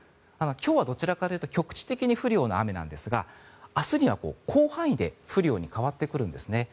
今日はどちらかというと局地的に降るような雨なんですが明日には広範囲で降るように変わってくるんですね。